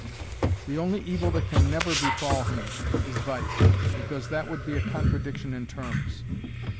The only evil that can never befall him is vice, because that would be a contradiction in terms.